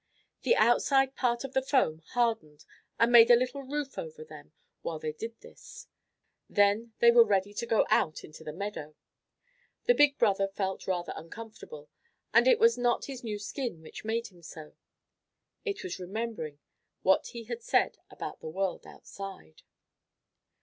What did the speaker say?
The outside part of the foam hardened and made a little roof over them while they did this. Then they were ready to go out into the meadow. The big brother felt rather uncomfortable, and it was not his new skin which made him so. It was remembering what he had said about the world outside.